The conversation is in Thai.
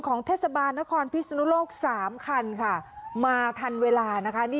เทศบาลนครพิศนุโลก๓คันค่ะมาทันเวลานะคะ